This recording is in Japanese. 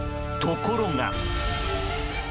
ところが。